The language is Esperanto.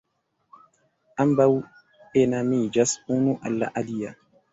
Ambaŭ enamiĝas unu al la alia.